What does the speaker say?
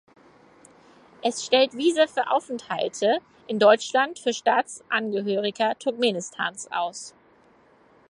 Es stellt Visa für Aufenthalte in Deutschland für Staatsangehörige Turkmenistans aus.